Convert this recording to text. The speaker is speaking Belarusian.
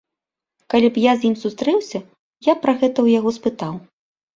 Калі б я з ім сустрэўся, я б пра гэта ў яго спытаў.